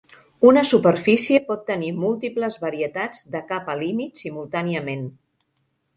Una superfície pot tenir múltiples varietats de capa límit simultàniament.